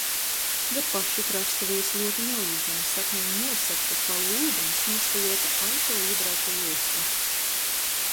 Gar pašu krastu vijas ļoti nelīdzena, saknēm nosegta, palu ūdens noskalota auto iebraukta josla.